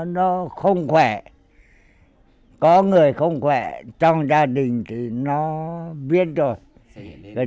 nó không khỏe có người không khỏe trong gia đình thì nó biết rồi cái chân nó đứng cao lên